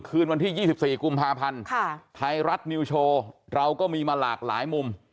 คืนวันที่๒๔กุมภาพันธ์ไทยรัฐนิวโชว์เราก็มีมาหลากหลายมุม